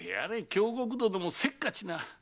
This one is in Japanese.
京極殿もせっかちな。